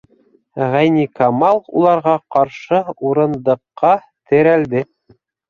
Ғәйникамал уларға ҡаршы урындыҡҡа терәлде.